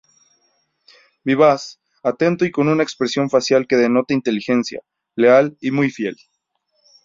Vivaz, atento y con una expresión facial que denota inteligencia, leal y muy fiel.